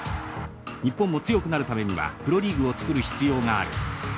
日本も強くなるためにはプロリーグを作る必要がある。